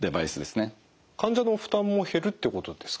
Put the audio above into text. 患者の負担も減るってことですか？